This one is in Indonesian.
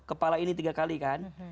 kepala ini tiga kali kan